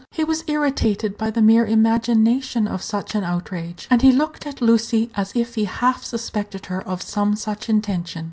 He was irritated by the mere imagination of such an outrage, and he looked at Lucy as if he half suspected her of some such intention.